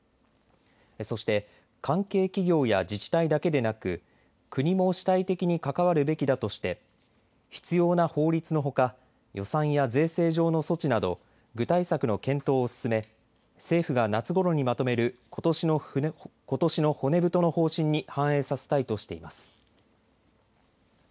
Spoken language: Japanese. そして関係企業や自治体だけでなく国も主体的に関わるべきだとして必要な法律のほか、予算や税制上の措置など具体策の検討を進め政府が夏ごろにまとめることしの骨太の方針に反映させたいとしています。